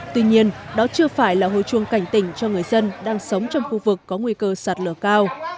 tuy nhiên đó chưa phải là hồi chuông cảnh tỉnh cho người dân đang sống trong khu vực có nguy cơ sạt lở cao